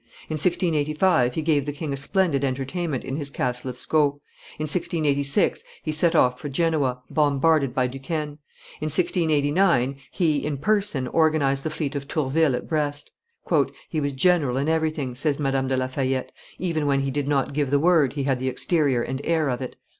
In 1685 he gave the king a splendid entertainment in his castle of Sceaux; in 1686 he set off for Genoa, bombarded by Duquesne; in 1689 he, in person, organized the fleet of Tourville at Brest. "He was general in everything," says Madame de la Fayette; "even when he did not give the word, he had the exterior and air of it."